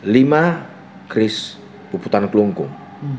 lima kris puputan kelungkung